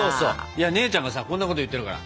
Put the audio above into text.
いや姉ちゃんがさこんなこと言ってるから。